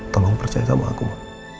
tolong percaya sama aku